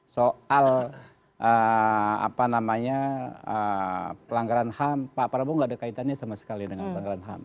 soal pelanggaran ham pak prabowo gak ada kaitannya sama sekali dengan pelanggaran ham